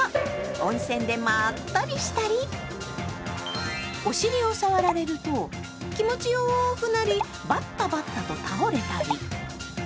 温泉でまったりしたりお尻を触られると気持ちよくなり、バッタバッタと倒れたり。